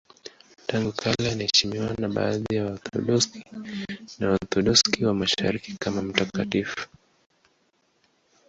Tangu kale anaheshimiwa na baadhi ya Waorthodoksi na Waorthodoksi wa Mashariki kama mtakatifu.